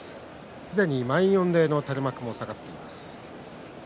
すでに満員御礼の垂れ幕も下がっています。